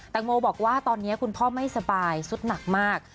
โมบอกว่าตอนนี้คุณพ่อไม่สบายสุดหนักมาก